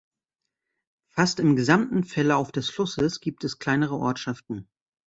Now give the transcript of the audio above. Fast im gesamten Verlauf des Flusses gibt es kleinere Ortschaften.